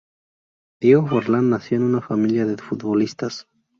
Diego Forlán nació en una familia de futbolistas.